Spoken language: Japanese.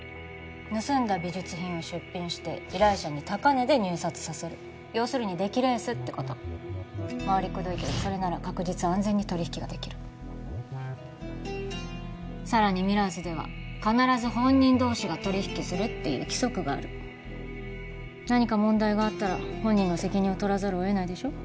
盗んだ美術品を出品して依頼者に高値で入札させる要するに出来レースってことまわりくどいけどそれなら確実安全に取り引きができるさらにミラーズでは必ず本人同士が取り引きするっていう規則がある何か問題があったら本人が責任を取らざるを得ないでしょ？